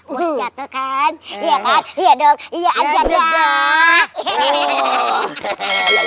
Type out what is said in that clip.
bos jatuh kan iya kan iya dong iya aja aja